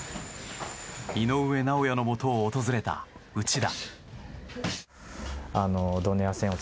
井上尚弥のもとを訪れた内田。